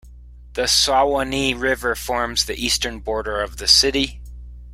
The Suwannee River forms the eastern border of the city.